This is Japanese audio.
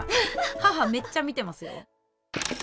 母めっちゃ見てますよ。